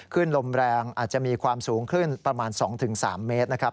ขึ้นลมแรงอาจจะมีความสูงขึ้นประมาณ๒๓เมตรนะครับ